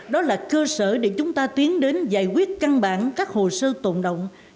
đó là cơ sở để chúng ta tiến đến giải quyết căn bản các hồ sơ tồn động